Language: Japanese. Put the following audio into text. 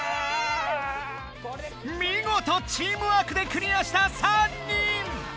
みごとチームワークでクリアした３人！